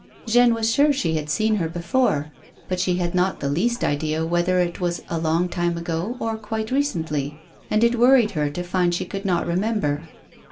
Jeanne was sure she had seen her before, but she had not the least idea whether it was a long time ago or quite recently, and it worried her to find she could not remember.